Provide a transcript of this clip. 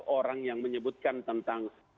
orang yang menyebutkan tentang